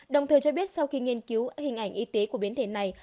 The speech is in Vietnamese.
đồng thời cho biết sau khi nghiên cứu hình ảnh y tế của biến thể này